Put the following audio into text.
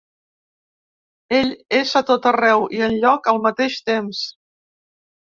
Ell és a tot arreu i enlloc al mateix temps.